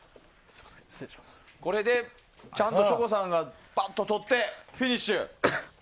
これでちゃんと省吾さんがバッととってフィニッシュ！